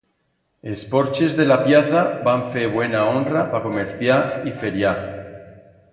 Els porches de la pllaza van fer buena honra pa comerciar y feriar.